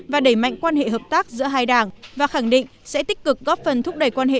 và đẩy mạnh quan hệ hợp tác giữa hai đảng và khẳng định sẽ tích cực góp phần thúc đẩy quan hệ